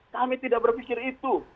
kami tidak berpikir itu